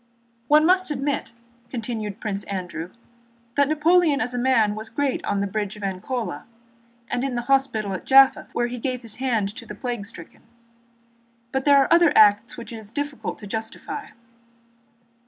"One must admit," continued Prince Andrew, "that Napoleon as a man was great on the bridge of Arcola, and in the hospital at Jaffa where he gave his hand to the plague stricken; but ... but there are other acts which it is difficult to justify."